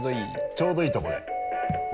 ちょうどいいとこで。